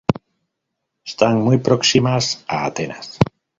Están muy próximas a Atenas.